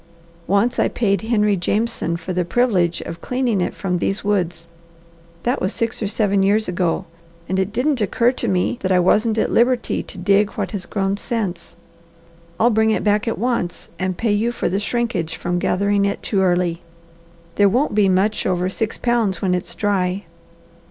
Once I paid Henry Jameson for the privilege of cleaning it from these woods. That was six or seven years ago, and it didn't occur to me that I wasn't at liberty to dig what has grown since. I'll bring it back at once, and pay you for the shrinkage from gathering it too early. There won't be much over six pounds when it's dry.